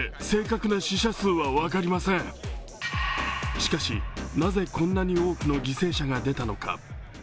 しかしなぜこんなに多くの犠牲者が出たのか。